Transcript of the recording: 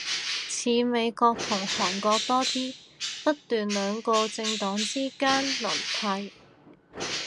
似美國同韓國多啲，不斷兩個政黨之間輪替